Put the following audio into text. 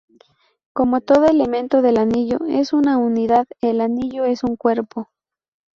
Como todo elemento del anillo es una unidad, el anillo es un cuerpo.